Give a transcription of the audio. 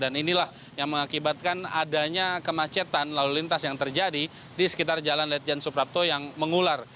dan inilah yang mengakibatkan adanya kemacetan lalu lintas yang terjadi di sekitar jalan ledjen suprapto yang mengular